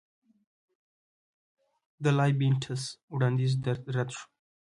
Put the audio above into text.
د لایبینټس وړاندیز رد شو.